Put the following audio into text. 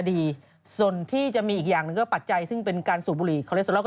อีกอย่างก็ปัจจัยซึ่งเป็นการสูบบุหรี่